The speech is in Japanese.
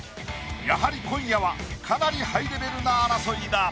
やはり今夜はかなりハイレベルな争いだ。